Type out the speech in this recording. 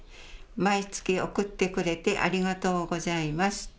毎月送ってくれてありがとうございます。